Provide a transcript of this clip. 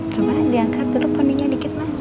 coba diangkat dulu panenya dikit mas